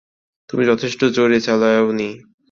তুমি যথেষ্ট জোরে চালাওনি।